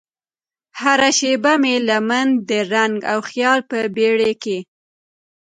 هره شیبه مې لمن د رنګ او خیال په بیړۍ کې